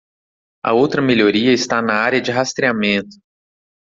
A outra melhoria está na área de rastreamento.